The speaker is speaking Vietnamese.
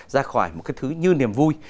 ra khỏi một cái thứ như niềm vui